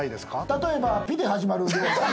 例えば「ピ」で始まる。